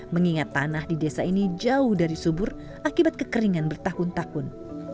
mengingat tanah di desa ini jauh dari subur akibat kekeringan bertahun tahun